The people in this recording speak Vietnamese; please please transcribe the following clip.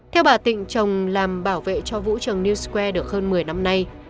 theo bà tịnh chồng làm bảo vệ cho vũ trường new square được hơn một mươi năm nay